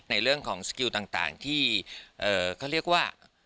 ในเรื่องของสกิลต่างที่เขาเรียกว่า